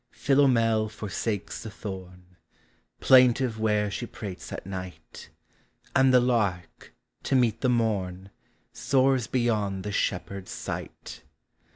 Philomel forsakes the thorn, Plaintive where she prates at night; And the lark, to meet the morn, Soars beyond the shepherd's sight.